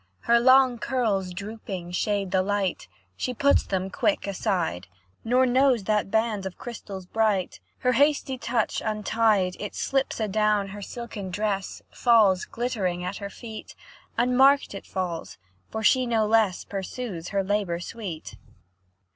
Her long curls, drooping, shade the light, She puts them quick aside, Nor knows that band of crystals bright, Her hasty touch untied. It slips adown her silken dress, Falls glittering at her feet; Unmarked it falls, for she no less Pursues her labour sweet.